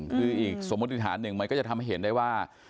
คืออีกสมมติฐานหนึ่งมันก็จะทำให้เห็นได้ว่า